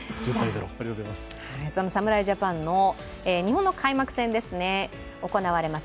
その侍ジャパンの日本の開幕戦が行われます